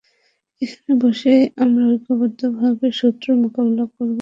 এখানে বসেই আমরা ঐক্যবদ্ধভাবে শত্রুর মোকাবিলা করব।